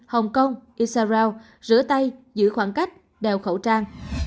hồng kông isarao rửa tay giữ khoảng cách đeo khẩu trang